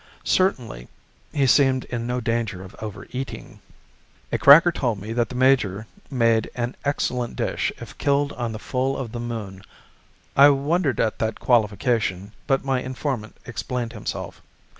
Certainly he seemed in no danger of overeating. A cracker told me that the major made an excellent dish if killed on the full of the moon. I wondered at that qualification, but my informant explained himself.